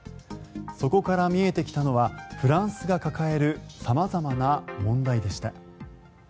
そこから見えてきたのはフランスが抱える様々な問題でした。